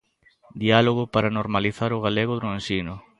Diálogo para normalizar o galego no ensino.